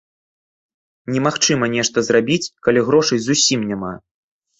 Немагчыма нешта зрабіць, калі грошай зусім няма.